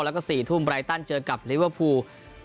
และก็๔ทุ่มบรายตอลเจอกับลิเวอร์ฟูล